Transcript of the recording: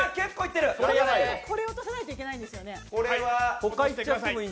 これを落とさないといけないんですよね？